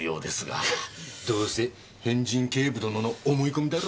どうせ変人警部殿の思い込みだろ。